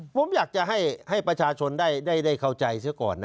ผมอยากจะให้ประชาชนได้เข้าใจเสียก่อนนะ